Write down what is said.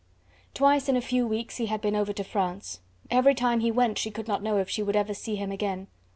Twice in a few weeks he had been over to France: every time he went she could not know if she would ever see him again.